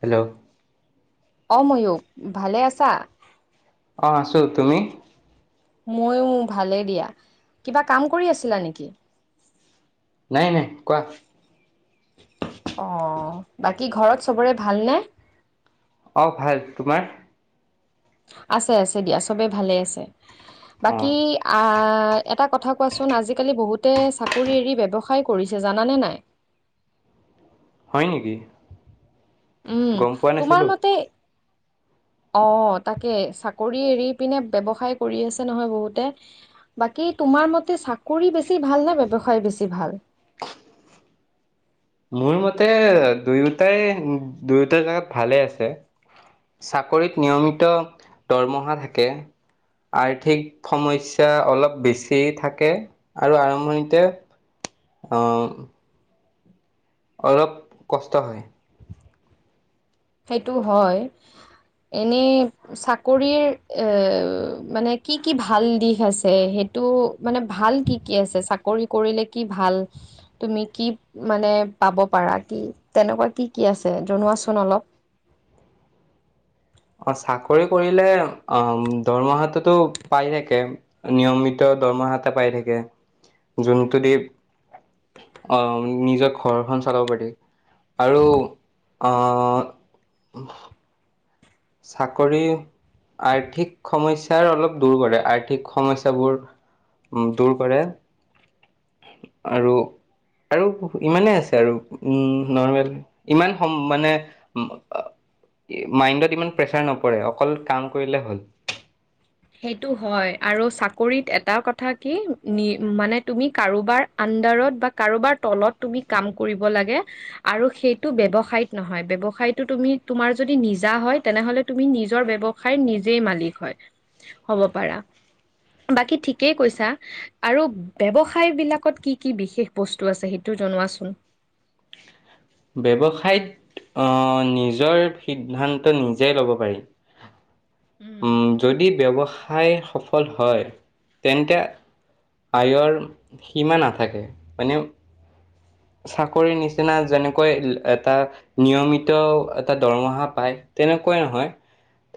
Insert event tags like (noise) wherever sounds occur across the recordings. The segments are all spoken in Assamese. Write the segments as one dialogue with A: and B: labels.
A: হেল্লৌ।
B: অ ময়ূক ভালে আছা?
A: অ আছো। তুমি?
B: ময়ো ভালেই দিয়া কিবা কাম কৰি আছিলা নেকি?
A: নাই নাই কোৱা।
B: অ বাকী ঘৰত চবৰে ভালনে?
A: অ ভাল। তোমাৰ?
B: আছে আছে দিয়া চবে ভালে আছে
A: অ
B: বাকী আহ এটা কথা কোৱাছোন আজি কালি বহুতো চাকৰী এৰি ব্যৱসায় কৰিছে জনা নে নাই?
A: হয় নেকি?
B: উম
A: গম পোৱা
B: তোমাৰ
A: নাছিলো
B: মতে
A: (unintelligible)
B: অ তাকে চাকৰি এৰি পিনে ব্যৱসায় কৰি আছে নহয় বহুতে। বাকী তোমাৰ মতে চাকৰি বেছি ভাল নে ব্যৱসায় বেছি ভাল?
A: (unintelligible) মোৰ মতে দুয়োটাই দুয়োটাৰ জেগাত ভালে আছে। চাকৰিত নিয়মিত দৰমহা থাকে। আৰ্থিক সমস্যা অলপ বেছি থাকে আৰু আৰম্ভণিতে। অ। অলপ কষ্ট হয়।
B: সেইটো হয়। এনেই চাকৰিৰ এ মানে। মানে ভাল কি কি আছে ছাক। কৰি কৰিলে কি ভাল তুমি কি মানে পাব পাৰা কি তেনেকুৱা কি কি। আছে জনোৱাচোন অলপ।
A: অ চাকৰি কৰিলে অ দৰমহাতোটো পাই থাকে নিয়মিত। দৰমহাতে পাই থাকে যোনটোদি। আহ নিজৰ ঘৰখন চলাব পাৰি। আৰু আ চাকৰি। আৰ্থিক সমস্যাৰ অলপ দূৰ কৰে আৰ্থিক সমস্যাবোৰ। উ দূৰ কৰে আৰু। আৰু ইমানেই আছে আৰু উম নৰ্মেল ইমান সম মানে। মাইণ্ডত ইমান প্ৰেচাৰ নপৰে অকল কাম কৰিলে হ'ল।
B: সেইটো হয় আৰু চাকৰিত এটা কথা কি নি মানে তুমি কাৰোবাৰ আন। বিলদাৰত বা কাৰোবাৰ তলত তুমি কাম কৰিব লাগে আৰু সেইটো ব্যৱসাইত নহয় ব্যৱসায় ব্যৱসায় তুমি তোমাৰ যদি নিজা হয় তেনেহলে তুমি নিজৰ ব্যৱসায় নিজেই মালিক হয়। হব পাৰা। বাকী ঠিকেই কৈছা আৰু ব্যৱসায় বিলাকত কি কি বিশেষ বস্তু আছে সেইটো। জনোৱাছোন।
A: ব্যৱসায়ত। অ নিজৰ সিদ্ধান্ত নিজেই ল'ব পাৰি।
B: উম।
A: ওম যদি ব্যৱসায় সফল হয় তেন্তে। আয়ৰ সীমা নাথাকে মানে। চাকৰিৰ নিচিনা যেনেকৈ এটা নিয়মিত এটা দৰমহা পায়। তেনেকুৱাই নহয়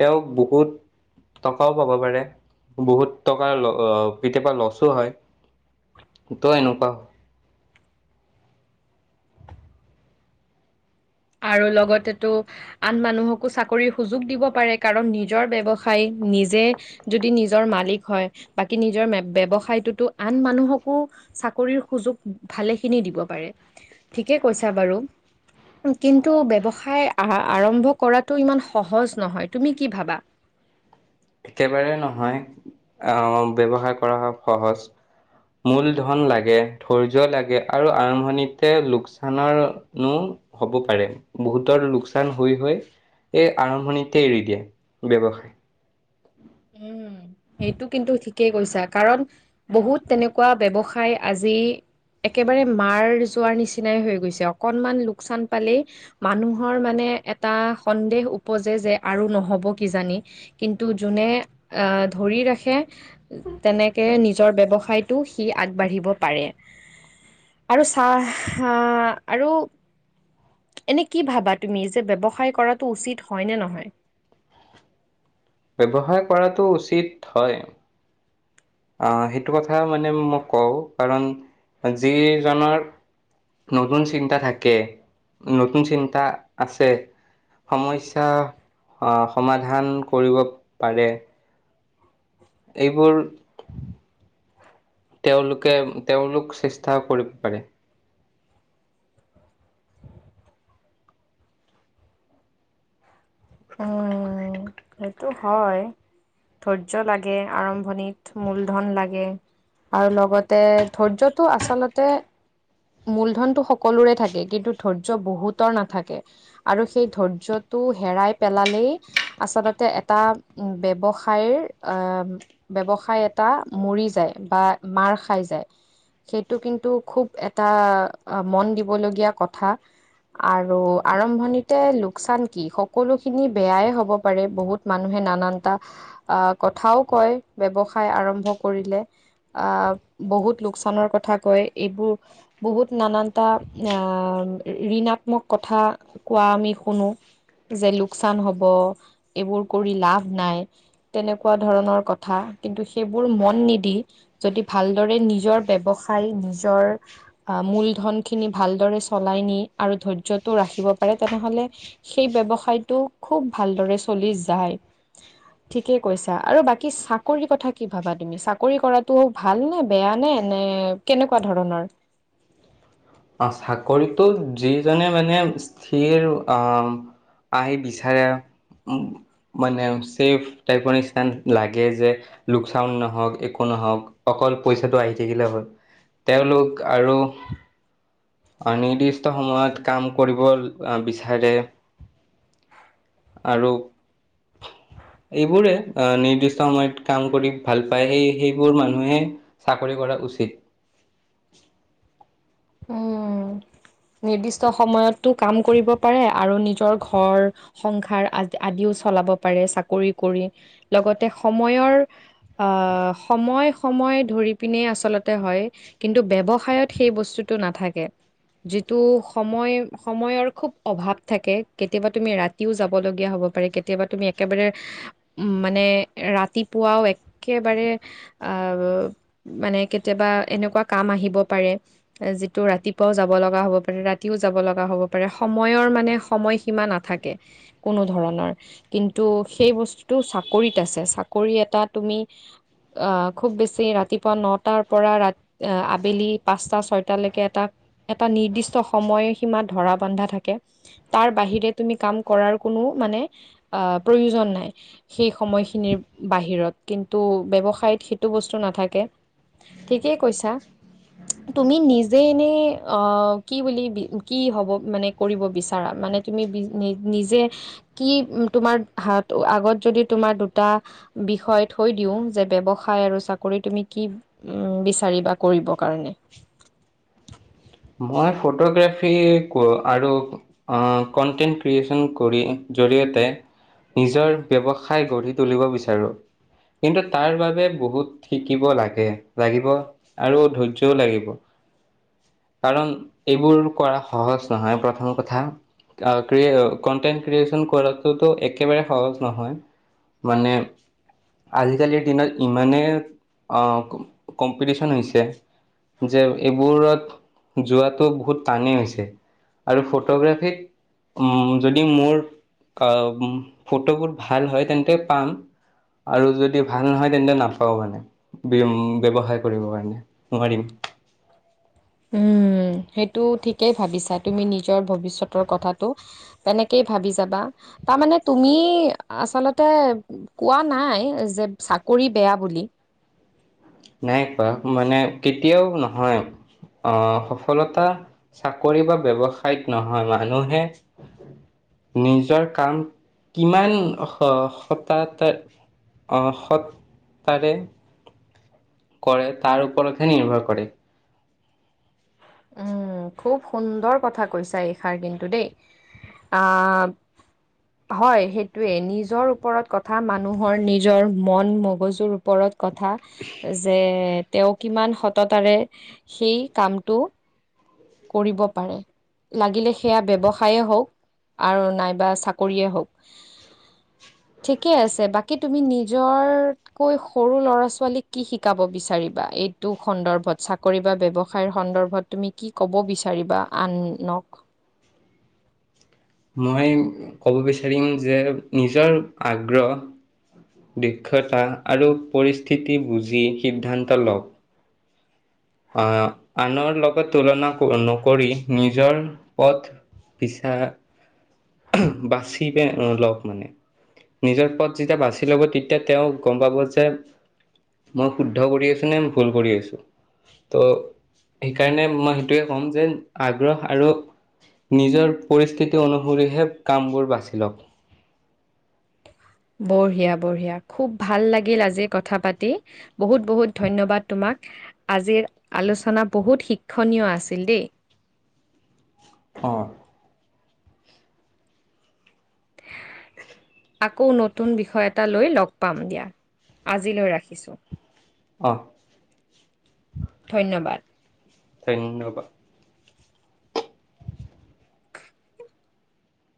A: তেওঁক বহুত। টকাও পাব পাৰে বহুত টকা কেতিয়াবা লছো হয়। তই এনেকুৱা।
B: আৰু লগতেতো আন মানুহকো চাকৰিৰ সুযোগ দিব পাৰে কাৰণ নিজৰ ব্য্ৱসায়। নিজে যদি নিজৰ মালিক হয় বাকী নিজৰ ব্যৱসায়টোতো আন মানুহকো। চাকৰিৰ সুযোগ ভালে খিনি দিব পাৰে ঠিকে কৈছা বাৰু।
A: উ (unintelligible)
B: কিন্তু ব্যৱসায় আৰম্ভ কৰাটো ইমান সহজ নহয়।
A: একেবাৰে নহয় আহ ব্যৱসায় কৰা হ সহজ। মূল ধন লাগে ধৈৰ্য লাগে আৰু আৰম্ভণিতে লোকচানৰনো। হ'ব পাৰে বহুতৰ লোকচান হৈ হৈ। এই আৰম্ভণিতে এৰি দিয়ে ব্যৱসায়।
B: উম
A: অ
B: সেইটো কিন্তু ঠিকেই কৈছা কাৰণ বহুত তেনেকুৱা ব্যৱসায় আজি। একেবাৰে মাৰ যোৱাৰ নিচিনাই হৈ গৈছে। অকনমান লোকচান পালেই মানুহৰ মানে। এটা সন্দেহ উপজে যে আৰু নহ'ব কিজানি কিন্তু যোনে। আ আহ ধৰি ৰাখে তেনেকে নিজৰ ব্যৱসায়টো সি আগবাঢ়িব পাৰে।
A: (inaudible)
B: আৰু চাহ হা আৰু। এনে কি ভাবা তুমি যে ব্যৱসায় কৰাটো উচিত হয় নে নহয়।
A: ব্যৱসায় কৰাটো উচিত হয়। আহ সেইটো কথা মানে মই কওঁ কাৰণ যিজনৰ- নতুন চিন্তা থাকে, নতুন চিন্তা আছে। সমস্যা আহ সমাধান কৰিব পাৰে। এইবোৰ তেওঁলোকে তেওঁলোক চেষ্টা কৰিব পাৰে।
B: উম সেইটো হয়। ধৈৰ্য লাগে আৰম্ভণিত মূলধন লাগে। আৰু লগতে ধৈৰ্যটো আচলতে,। মূলধনতটো সকলোৰে থাকে কিন্তু ধৈৰ্য্য বহুতৰ নাথাকে আৰু সেই ধৈৰ্যত। তটো হেৰাই। পেলালেই আচলতে এটা ব্যৱসায়ৰ ব্যৱসায় এটা,। এটা মৰি যায় বা মাৰ খাই যায়। সেইটো কিন্তু খুব এটা মন দিবলগীয়া কথা। আৰু আৰম্ভণিতে লোকচান কি সকলো,। খিনি বেয়াই হ'ব পাৰে বহুত মানুহে নানানটা আ কথাও কয় ব্যৱসায় আৰু,। আৰম্ভ কৰিলে,। আহ বহুত লোকচানৰ কথা কয় এইবোৰ বহুত নানানটা আহ,। ঋণাত্মক কথা কোৱা আমি শুনো যে,। লোকচান হ'ব, এইবোৰ কৰি লাভ নাই, তেনেকুৱা ধৰণৰ কথা কিন্তু সেইব,। সাইবোৰ মন নিদি যদি ভাল দৰে নিজৰ ব্যৱসায় নিজৰ মূলধন। খিনি ভালদৰে চলাই নি আৰু ধৈৰ্যতটো ৰাখিব পাৰে তেনেহলে সেই ব্যৱসায়। খুব ভালদৰে চলি যায়। ঠিকে কৈছা আৰু বাকী চাকৰি কথা কি ভাবা তুমি চাকৰি কৰাতটো হ ভাল নে বেয়া নে এ। মানে কেনেকুৱা ধৰণৰ।
A: (unintelligible) অ চাকৰিটো যিজনে মানে স্থিৰ আহ। আহি বিচাৰে। মানে চেফ টাইপৰ লাগে যে লোকচাান নহওক। নহওক অকল পইচাটো আহি থাকিলে হ'ল তেওঁলোক আৰু। নিৰ্দিষ্ট সময়ত কাম কৰিব বিচাৰে। আৰু। এইবোৰে অ নিৰ্দিষ্ট সময়ত কাম কৰি ভাল পায়, সেই সেইবোৰ মানুহে চাকৰি। কৰা উচিত
B: উম নিৰ্দিষ্ট সময়তটো কাম কৰিব পাৰে আৰু নিজৰ ঘৰ সংসাৰ আ আদিও। চলাব পাৰে চাকৰি কৰি লগতে সময়ৰআ সময় সময় ধৰি পিনে আচলতে হয় কিন্তু ব্যৱহাৰিত সেই বস্তুটো নাথাকে। যিটো সময় সময়ৰ খুব অভাৱ থাকে কেতিয়াবা তুমি ৰাতিও যাব লগগীয়া হ'ব। পাৰে কেতিয়াবা তুমি একেবাৰে মানে ৰাতিপুৱা একেবাৰে,। আহ মানে কেতিয়াবা এনেকুৱা কাম আহিব পাৰে। যিটো ৰাতিপুৱাও যাব লগা হব পাৰে ৰাতিও যাব লগা হব পাৰে সময়ৰ মানে সময় সীমা নাথাকে। থাকে কোনো ধৰণৰ কিন্তু সেই বস্তুটো চাকৰিত আছে চাকৰি এটা তুমি। অ খুব বেছি ৰাতিপুৱা পৰা নটা পৰা ৰা আবেলি পাঁচটা ছয়টা। এয়ালৈকে এটা এটা নিৰ্দিষ্ট সময় সীমা ধৰা বন্ধা থাকে তাৰ বাহিৰে তুমি,। কাম কৰা কোনো মানে আহ প্ৰয়োজন নাই সেই সময় খিনি নি বাহিৰত। কিন্তু ব ব্যৱসায়ত সেইটো বস্তু নাথাকে ঠিকেই কৈছা তুমি নিজ,। যে এনেই অ কি বুলি কি হ'ব মানে কৰিব বিচাৰা মানে তুমি নি। নিজে কি তোমাৰ হ আগত যদি তোমাৰ দুটা বিষয় থৈ দিওঁ। যে ব্যৱসায় আৰু চাকৰি তুমি কি উ বিচাৰিবা কৰিব কাৰণে?
A: (unintelligible) মই ফটোগ্ৰাফী ক আৰু আ কনটেন্ট ক্ৰিয়েচন কৰিম জ। জৰিয়তে নিজৰ ব্যৱসায় গঢ়ি তুলিব বিচাৰোঁ। কিন্তু তাৰ বাবে বহুত শিকিব লাগে লাগিব আৰু ধৈৰ্যও লাগিব। কাৰণ এইবোৰ কৰা সহজ নহয় প্ৰথম কথা। আ ক্ৰিয়ে কনটেন্ট ক্ৰিয়েচন কৰাটোতো একেবাৰে সহজ নহয়। মানে। আজিকালিৰ দিনত ইমানেই অ কম্পিটিচন হৈছে যে এইবোৰত যুৱাটু বহুত তানেই হৈছে আৰু ফটোগ্ৰাফিক উম যদি মোৰ আ ফটোবোৰ ভাল হয় তেন্তে পাম আৰু যদি ভাল নহয় তেন্তে নাপাওঁ মানে ব্য ব্যৱসায় কৰিব কাৰণে নোৱাৰিম (inaudible)
B: (inaudible) সেইটো ঠিকেই ভাবিছা তুমি নিজৰ ভৱিষ্যতৰ কথাটো তেনেকেই ভাবি যাবা তামানে তুমি আচলতে কোৱা নাই যে চাকৰি বেয়া বুলি
A: নাই কোৱা মানে কেতিয়াও নহয় অহ সফলতা চাকৰি বা ব্যৱহাযিত নহয় মানুহে নিজৰ কাম কিমান হ হতাহতে অ সৎ তাৰে কৰে তাৰ ওপৰতহে নিৰ্ভৰ কৰে
B: উম, খুব সুন্দৰ কথা কৈছা এইষাৰ কিন্তু দেই আহ হয় সেইটোয়ে নিজৰ ওপৰত কথা মানুহৰ নিজৰ মন মগজুৰ ওপৰত কথা যে তেওঁ কিমান সততাৰে সেই কামটো কৰিব পাৰে লাগিলে সেয়া ব্যৱসায়ে হওঁক আৰু নাইবা চাকৰিয়ে হওঁক
A: (inaudible)
B: ঠিকে আছে বাকী তুমি নিজৰকৈ সৰু ল'ৰা ছোৱালীক কি শিকাব বিচাৰিবা এইটো সন্দৰ্ভত চাকৰি বা ব্যৱসায়ৰ সন্দৰ্ভত তুমি কি ক'ব বিচাৰিবা আনক
A: মই ক'ব বিচাৰিম যে নিজৰ আগ্ৰহ দক্ষতা আৰু পৰিস্থিতি বুজি সিদ্ধান্ত লওক আহ আনৰ লগত তুলনা ক নকৰি নিজৰ পথ বিছা আহ বাছি পে লৱক মানে নিজৰ পথ যেতিয়া বাচি ল'ব তেতিয়া তেওঁ গম পাব যে মই শুদ্ধ কৰি আছোঁ নে ভুল কৰি আছোঁ ত' সেইকাৰণে মই সেইটোৱে ক'ম যে আগ্ৰহ আৰু নিজৰ পৰিস্থিতি অনুসৰিহে কামবোৰ বাছি লওক
B: বঢ়িয়া বঢ়িয়া খুব ভাল লাগিল আজি কথা পাতি বহুত বহুত ধন্যবাদ তোমাক আজিৰ আলোচনা বহুত শিক্ষণীয় আছিল দেই
A: অ (inaudible)
B: আকৌ নতুন বিষয় এটা লৈ লগ পাম দিয়া আজিলৈ ৰাখিছোঁ।
A: অ', অ',
B: ধন্যবাদ
A: ধন্যবাদ